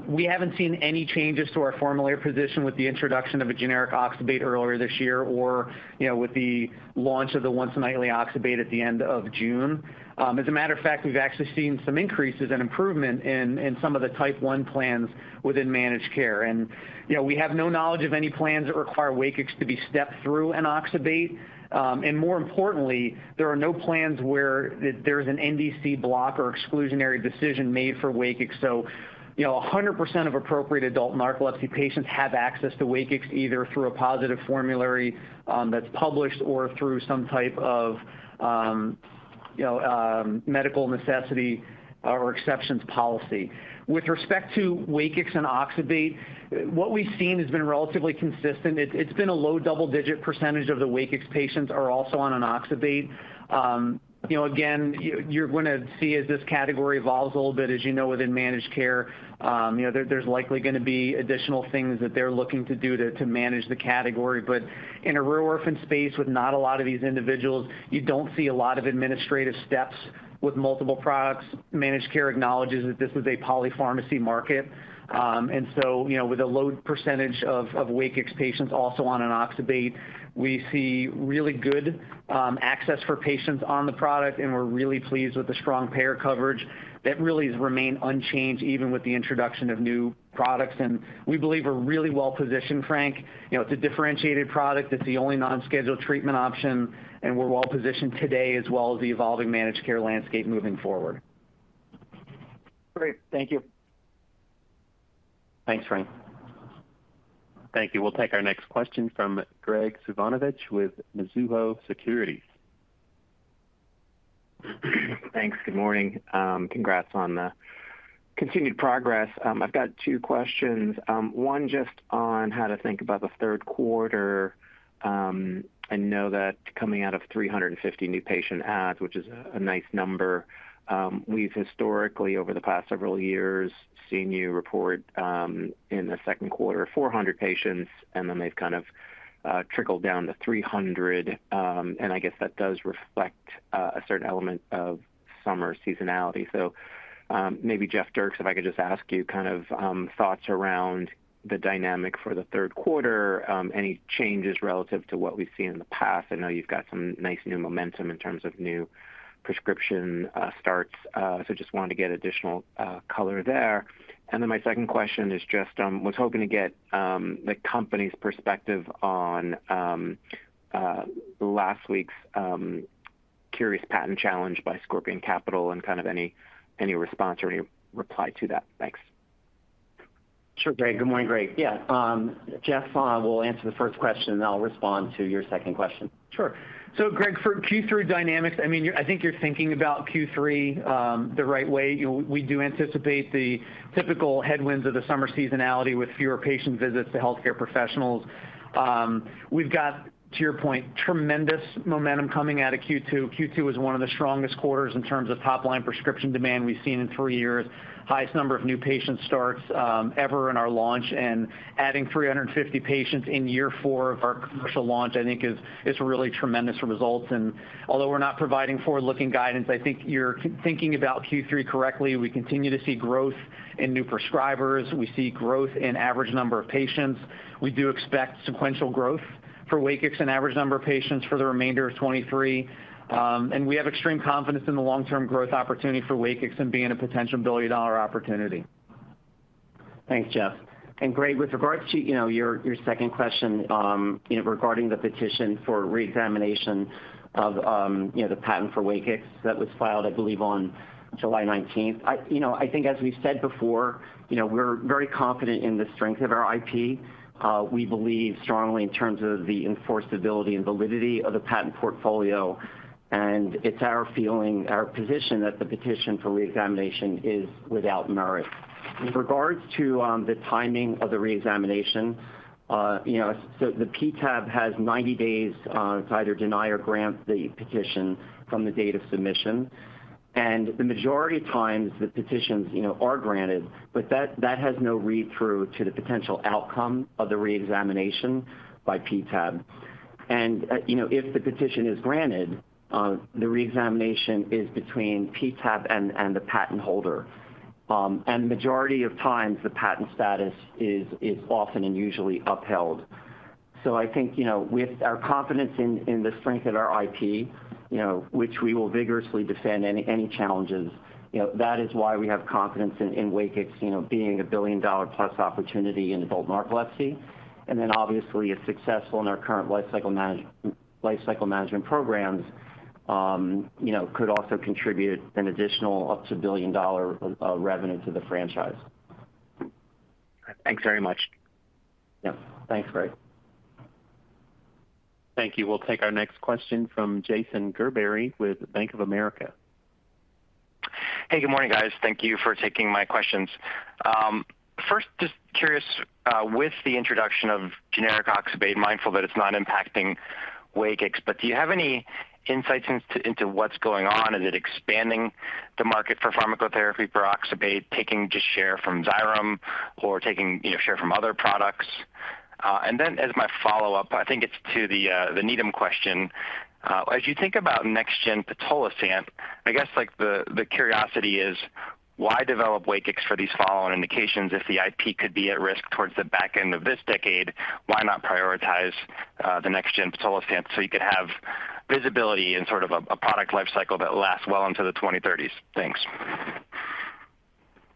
We haven't seen any changes to our formulary position with the introduction of a generic oxybate earlier this year or, you know, with the launch of the once nightly oxybate at the end of June. As a matter of fact, we've actually seen some increases and improvement in some of the type one plans within managed care. You know, we have no knowledge of any plans that require WAKIX to be stepped through in oxybate. More importantly, there are no plans where there's an NDC block or exclusionary decision made for WAKIX. You know, 100% of appropriate adult narcolepsy patients have access to WAKIX, either through a positive formulary that's published or through some type of, you know, medical necessity or exceptions policy. With respect to WAKIX and oxybate, what we've seen has been relatively consistent. It's been a low double-digit % of the WAKIX patients are also on an oxybate. You know, again, you're going to see as this category evolves a little bit, as you know, within managed care, you know, there's likely going to be additional things that they're looking to do to manage the category. In a rare orphan space with not a lot of these individuals, you don't see a lot of administrative steps with multiple products. Managed care acknowledges that this is a polypharmacy market. You know, with a low percentage of WAKIX patients also on an oxybate, we see really good access for patients on the product, and we're really pleased with the strong payer coverage. That really has remained unchanged, even with the introduction of new products, and we believe we're really well positioned, Frank. You know, it's a differentiated product. It's the only non-scheduled treatment option, and we're well positioned today, as well as the evolving managed care landscape moving forward. Great. Thank you. Thanks, Frank. Thank you. We'll take our next question from Graig Suvannavejh with Mizuho Securities. Thanks. Good morning. Congrats on the continued progress. I've got two questions. One just on how to think about the third quarter, I know that coming out of 350 new patient adds, which is a nice number, we've historically, over the past several years, seen you report, in the second quarter, 400 patients, and then they've kind of, trickled down to 300. I guess that does reflect a certain element of summer seasonality. Maybe Jeffrey Dierks, if I could just ask you, kind of, thoughts around the dynamic for the third quarter, any changes relative to what we've seen in the past? I know you've got some nice new momentum in terms of new prescription starts. Just wanted to get additional color there. My second question is just, was hoping to get the company's perspective on last week's curious patent challenge by Scorpion Capital and kind of any, any response or any reply to that. Thanks. Sure, Graig. Good morning, Graig. Yeah, Jeff will answer the first question, and I'll respond to your second question. Sure. Graig, for Q3 dynamics, I mean, I think you're thinking about Q3 the right way. You know, we do anticipate the typical headwinds of the summer seasonality with fewer patient visits to healthcare professionals. We've got, to your point, tremendous momentum coming out of Q2. Q2 is one of the strongest quarters in terms of top-line prescription demand we've seen in three years. Highest number of new patient starts ever in our launch, and adding 350 patients in year 4 of our commercial launch, I think is really tremendous results. Although we're not providing forward-looking guidance, I think you're thinking about Q3 correctly. We continue to see growth in new prescribers. We see growth in average number of patients. We do expect sequential growth for WAKIX and average number of patients for the remainder of 2023. We have extreme confidence in the long-term growth opportunity for WAKIX and being a potential billion-dollar opportunity. Thanks, Jeff. Graig, with regards to, you know, your, your second question, you know, regarding the petition for reexamination of, you know, the patent for WAKIX that was filed, I believe, on July 19th. You know, I think as we've said before, you know, we're very confident in the strength of our IP. We believe strongly in terms of the enforceability and validity of the patent portfolio, and it's our feeling, our position, that the petition for reexamination is without merit. In regards to the timing of the reexamination, you know, the PTAB has 90 days to either deny or grant the petition from the date of submission. The majority of times, the petitions, you know, are granted, but that, that has no read-through to the potential outcome of the reexamination by PTAB. You know, if the petition is granted, the reexamination is between PTAB and the patent holder. Majority of times, the patent status is often and usually upheld. I think, you know, with our confidence in the strength of our IP, you know, which we will vigorously defend any challenges, you know, that is why we have confidence in WAKIX, you know, being a billion-dollar plus opportunity in adult narcolepsy. Then, obviously, if successful in our current lifecycle management programs, you know, could also contribute an additional up to billion-dollar of revenue to the franchise. Thanks very much. Yeah. Thanks, Graig. Thank you. We'll take our next question from Jason Gerberry with Bank of America. Hey, good morning, guys. Thank you for taking my questions. First, just curious, with the introduction of generic oxybate, mindful that it's not impacting WAKIX, but do you have any insights into, into what's going on? Is it expanding the market for pharmacotherapy for oxybate, taking just share from Xyrem or taking, you know, share from other products?... Then as my follow-up, I think it's to the Needham question. As you think about next gen pitolisant, I guess, like, the curiosity is: Why develop WAKIX for these follow-on indications if the IP could be at risk towards the back end of this decade? Why not prioritize the next gen pitolisant, so you could have visibility in sort of a product life cycle that lasts well into the 2030s? Thanks.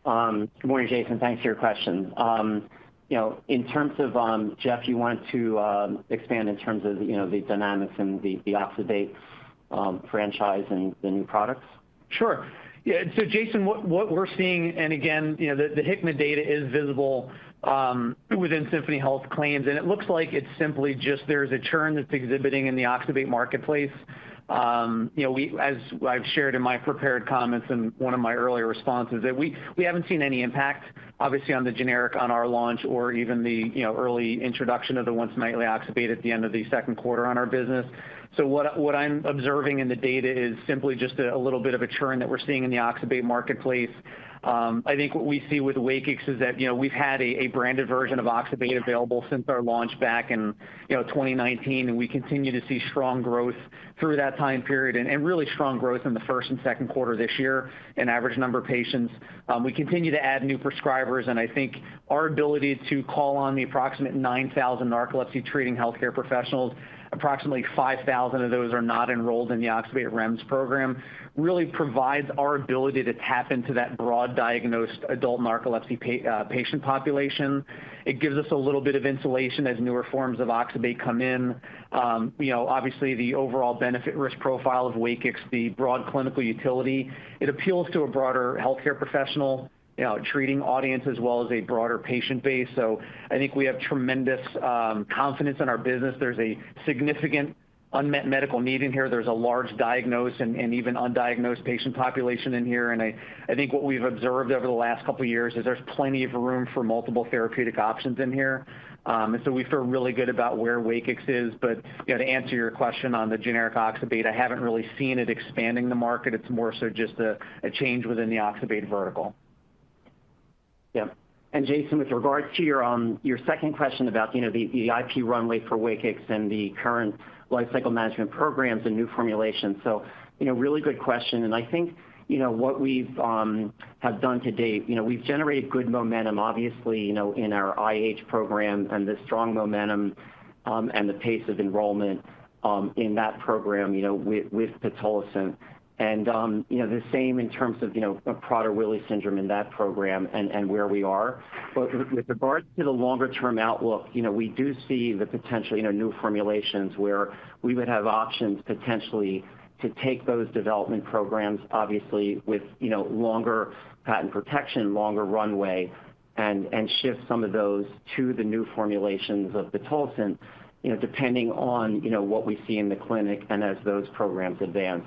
Good morning, Jason. Thanks for your question. You know, in terms of, Jeff, you want to expand in terms of, you know, the dynamics and the oxybate franchise and the new products? Sure. Yeah, Jason, what, what we're seeing, again, you know, the IQVIA data is visible within Symphony Health claims, and it looks like it's simply just there's a churn that's exhibiting in the oxybate marketplace. You know, as I've shared in my prepared comments and one of my earlier responses, that we, we haven't seen any impact, obviously, on the generic on our launch or even the, you know, early introduction of the once-nightly oxybate at the end of the second quarter on our business. What, what I'm observing in the data is simply just a, a little bit of a churn that we're seeing in the oxybate marketplace. I think what we see with WAKIX is that, you know, we've had a, a branded version of oxybate available since our launch back in, you know, 2019, and we continue to see strong growth through that time period and, and really strong growth in the first and second quarter this year in average number of patients. We continue to add new prescribers. I think our ability to call on the approximate 9,000 narcolepsy-treating healthcare professionals, approximately 5,000 of those are not enrolled in the Oxybate REMS program, really provides our ability to tap into that broad diagnosed adult narcolepsy patient population. It gives us a little bit of insulation as newer forms of oxybate come in. You know, obviously, the overall benefit risk profile of WAKIX, the broad clinical utility, it appeals to a broader healthcare professional, you know, treating audience as well as a broader patient base. I think we have tremendous confidence in our business. There's a significant unmet medical need in here. There's a large diagnosed and, and even undiagnosed patient population in here, and I, I think what we've observed over the last couple of years is there's plenty of room for multiple therapeutic options in here. We feel really good about where WAKIX is. You know, to answer your question on the generic oxybate, I haven't really seen it expanding the market. It's more so just a, a change within the oxybate vertical. Yeah. Jason, with regards to your, your second question about, you know, the, the IP runway for WAKIX and the current lifecycle management programs and new formulations. You know, really good question, and I think, you know, what we've have done to date, you know, we've generated good momentum, obviously, you know, in our IH program and the strong momentum and the pace of enrollment in that program, you know, with, with pitolisant. You know, the same in terms of, you know, Prader-Willi syndrome in that program and, and where we are. With, with regards to the longer-term outlook, you know, we do see the potential, you know, new formulations where we would have options potentially to take those development programs, obviously with, you know, longer patent protection, longer runway, and, and shift some of those to the new formulations of pitolisant, you know, depending on, you know, what we see in the clinic and as those programs advance.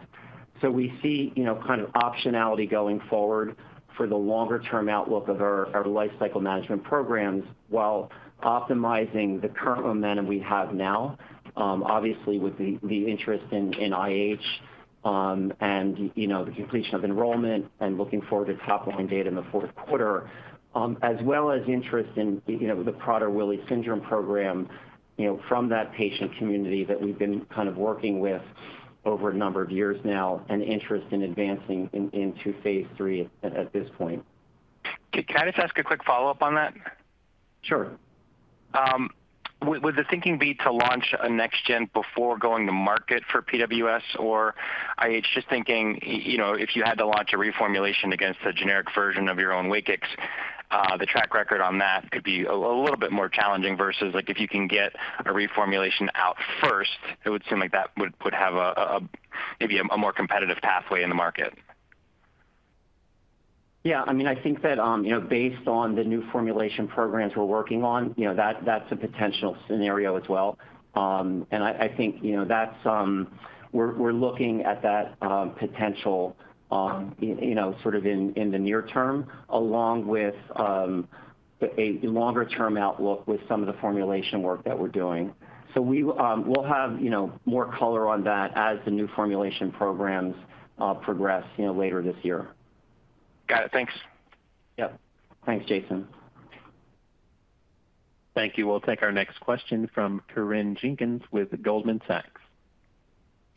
We see, you know, kind of optionality going forward for the longer-term outlook of our, our lifecycle management programs, while optimizing the current momentum we have now, obviously, with the interest in IH, and, you know, the completion of enrollment and looking forward to top-line data in the fourth quarter, as well as interest in, you know, the Prader-Willi syndrome program, you know, from that patient community that we've been kind of working with over a number of years now, and interest in advancing in, into phase III at this point. Can I just ask a quick follow-up on that? Sure. Would, would the thinking be to launch a next gen before going to market for PWS or IH? Just thinking, you know, if you had to launch a reformulation against a generic version of your own WAKIX, the track record on that could be a little bit more challenging versus, like, if you can get a reformulation out first, it would seem like that would, would have a maybe a more competitive pathway in the market. Yeah, I mean, I think that, you know, based on the new formulation programs we're working on, you know, that-that's a potential scenario as well. I, I think, you know, that's, we're, we're looking at that, potential, you know, sort of in, in the near term, along with, a longer-term outlook with some of the formulation work that we're doing. We, we'll have, you know, more color on that as the new formulation programs, progress, you know, later this year. Got it. Thanks. Yep. Thanks, Jason. Thank you. We'll take our next question from Corinne Jenkins with Goldman Sachs.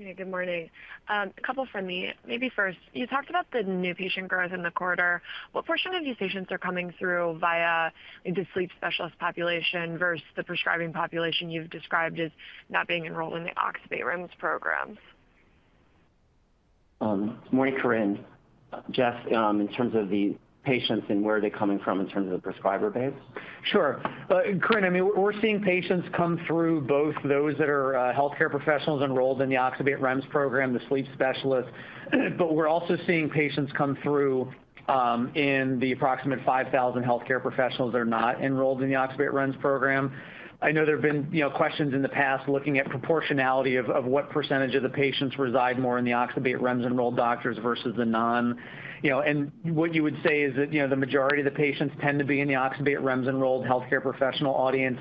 Hey, good morning. A couple from me. Maybe first, you talked about the new patient growth in the quarter. What portion of these patients are coming through via the sleep specialist population versus the prescribing population you've described as not being enrolled in the Oxybate REMS programs? Morning, Corinne. Jeff, in terms of the patients and where they're coming from in terms of the prescriber base? Sure. Corinne, I mean, we're, we're seeing patients come through, both those that are healthcare professionals enrolled in the Oxybate REMS program, the sleep specialists, but we're also seeing patients come through in the approximate 5,000 healthcare professionals that are not enrolled in the Oxybate REMS program. I know there have been, you know, questions in the past looking at proportionality of, of what percentage of the patients reside more in the Oxybate REMS-enrolled doctors versus the non. You know, what you would say is that, you know, the majority of the patients tend to be in the Oxybate REMS-enrolled healthcare professional audience.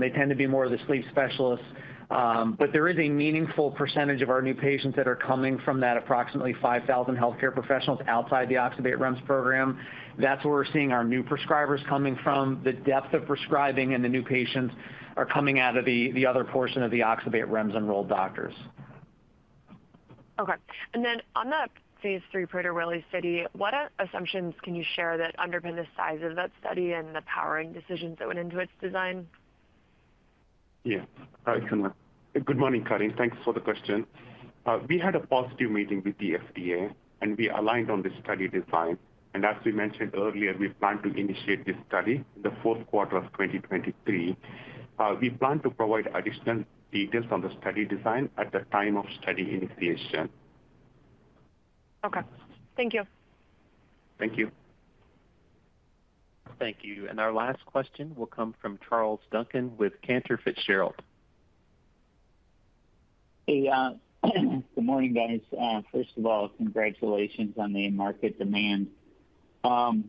They tend to be more of the sleep specialists, but there is a meaningful percentage of our new patients that are coming from that approximately 5,000 healthcare professionals outside the Oxybate REMS program. That's where we're seeing our new prescribers coming from. The depth of prescribing and the new patients are coming out of the other portion of the Oxybate REMS-enrolled doctors. Okay, then on the phase III PRT study, what assumptions can you share that underpin the size of that study and the powering decisions that went into its design? Yeah. Hi, good morning, Corinne. Thanks for the question. We had a positive meeting with the FDA, and we aligned on the study design. As we mentioned earlier, we plan to initiate this study in the fourth quarter of 2023. We plan to provide additional details on the study design at the time of study initiation. Okay. Thank you. Thank you. Thank you. Our last question will come from Charles Duncan with Cantor Fitzgerald. Hey, good morning, guys. First of all, congratulations on the market demand. So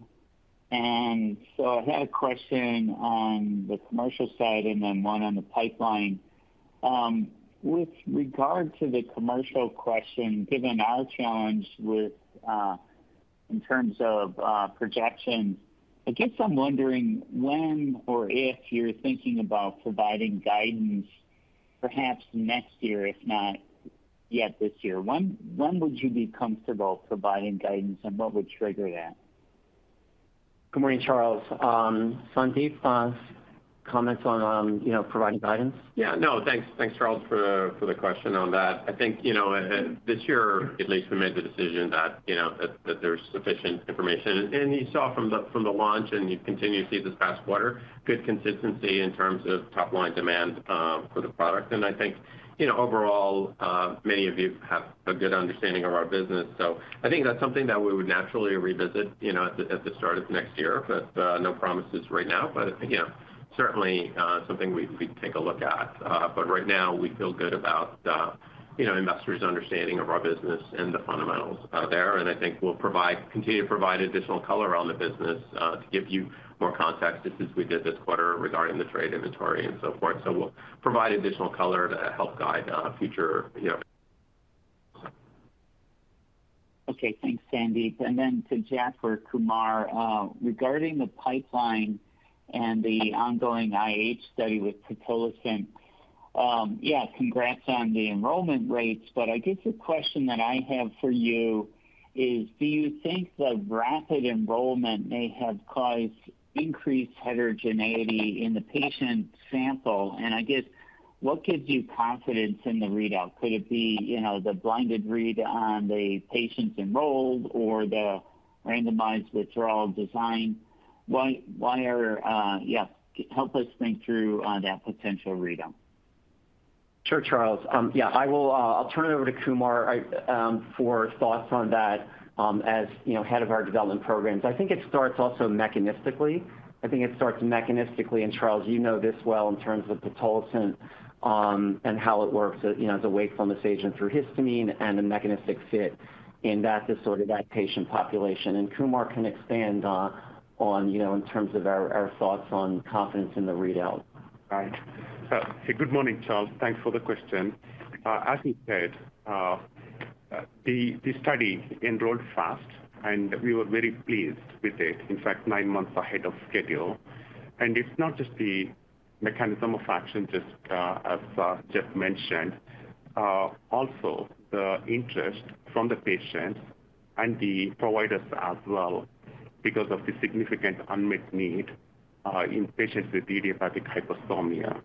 I had a question on the commercial side and then one on the pipeline. With regard to the commercial question, given our challenge with, in terms of, projections, I guess I'm wondering when or if you're thinking about providing guidance perhaps next year, if not yet this year? When, when would you be comfortable providing guidance, and what would trigger that? Good morning, Charles. Sandip, comments on, you know, providing guidance. Yeah. No, thanks, thanks, Charles, for the question on that. I think, you know, this year at least, we made the decision that, you know, that there's sufficient information. You saw from the, from the launch, and you continue to see this past quarter, good consistency in terms of top-line demand for the product. I think, you know, overall, many of you have a good understanding of our business. I think that's something that we would naturally revisit, you know, at the start of next year. No promises right now. Again, certainly, something we, we'd take a look at. Right now we feel good about, you know, investors' understanding of our business and the fundamentals out there. I think we'll continue to provide additional color on the business to give you more context, just as we did this quarter regarding the trade inventory and so forth. We'll provide additional color to help guide future, you know. Okay, thanks, Sandip. To Jeff or Kumar, regarding the pipeline and the ongoing IH study with pitolisant, yeah, congrats on the enrollment rates. I guess the question that I have for you is: Do you think the rapid enrollment may have caused increased heterogeneity in the patient sample? I guess, what gives you confidence in the readout? Could it be, you know, the blinded read on the patients enrolled or the randomized withdrawal design? Why, why are... Yeah, help us think through that potential readout. Sure, Charles. Yeah, I will, I'll turn it over to Kumar, I, for thoughts on that, as, you know, head of our development programs. I think it starts also mechanistically. I think it starts mechanistically, and Charles, you know this well in terms of pitolisant, and how it works, you know, as a wakefulness agent through histamine and the mechanistic fit in that disorder, that patient population. Kumar can expand on, you know, in terms of our, our thoughts on confidence in the readout. All right. Hey, good morning, Charles. Thanks for the question. As he said, the study enrolled fast, and we were very pleased with it, in fact, nine months ahead of schedule. It's not just the mechanism of action, just as Jeff mentioned, also the interest from the patient and the providers as well, because of the significant unmet need in patients with idiopathic hypersomnia.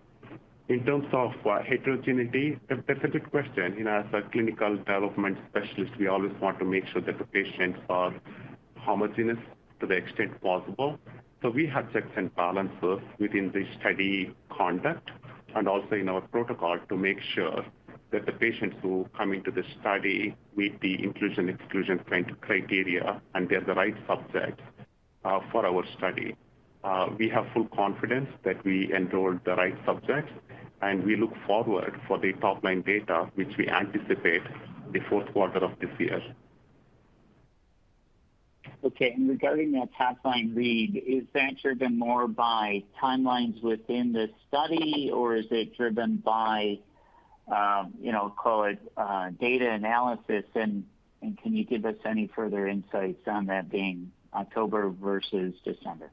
In terms of heterogeneity, that's a good question. You know, as a clinical development specialist, we always want to make sure that the patients are homogeneous to the extent possible. We have checks and balances within the study conduct and also in our protocol, to make sure that the patients who come into the study meet the inclusion/exclusion criteria, and they're the right subject for our study. We have full confidence that we enrolled the right subjects, and we look forward for the top-line data, which we anticipate the fourth quarter of this year. Okay. Regarding that top-line read, is that driven more by timelines within the study, or is it driven by, you know, call it, data analysis? Can you give us any further insights on that being October versus December?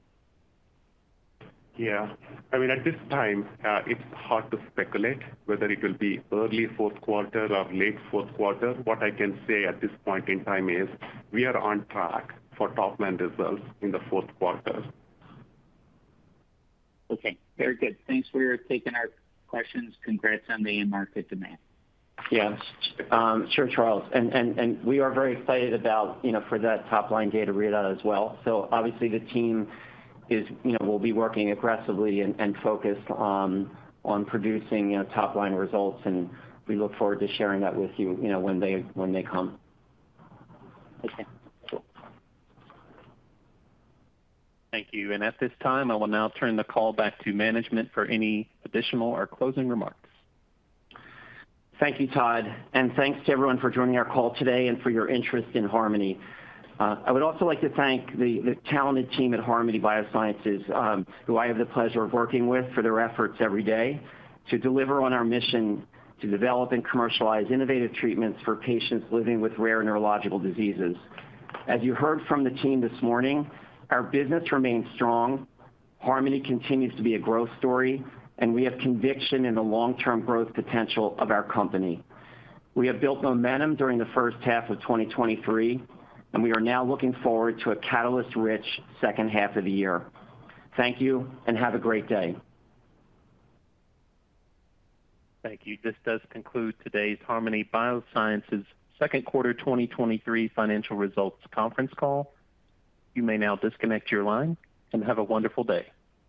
Yeah. I mean, at this time, it's hard to speculate whether it will be early fourth quarter or late fourth quarter. What I can say at this point in time is we are on track for top-line results in the fourth quarter. Okay, very good. Thanks for taking our questions. Congrats on the end market demand. Sure, Charles, and, and, and we are very excited about, you know, for that top-line data readout as well. Obviously, the team is... You know, will be working aggressively and, and focused on, on producing, you know, top-line results, and we look forward to sharing that with you, you know, when they, when they come. Okay, cool. Thank you. At this time, I will now turn the call back to management for any additional or closing remarks. Thank you, Todd, and thanks to everyone for joining our call today and for your interest in Harmony. I would also like to thank the talented team at Harmony Biosciences, who I have the pleasure of working with, for their efforts every day to deliver on our mission to develop and commercialize innovative treatments for patients living with rare neurological diseases. As you heard from the team this morning, our business remains strong. Harmony continues to be a growth story, and we have conviction in the long-term growth potential of our company. We have built momentum during the first half of 2023, and we are now looking forward to a catalyst-rich second half of the year. Thank you, and have a great day. Thank you. This does conclude today's Harmony Biosciences second quarter 2023 financial results conference call. You may now disconnect your line, and have a wonderful day.